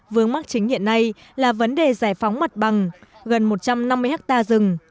vướng mắc chính hiện nay là vấn đề giải phóng mặt băng gần một trăm năm mươi hectare rừng